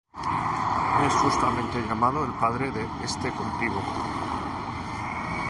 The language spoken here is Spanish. Es justamente llamado el padre de este cultivo.